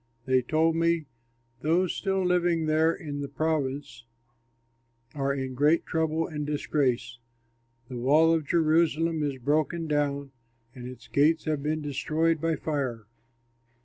They told me, "Those still living there in the province are in great trouble and disgrace. The wall of Jerusalem is broken down and its gates have been destroyed by fire."